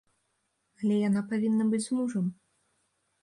Але яна павінна быць з мужам.